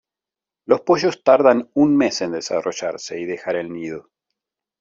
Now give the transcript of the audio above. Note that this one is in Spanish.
Los pollos tardan un mes en desarrollarse y dejar el nido.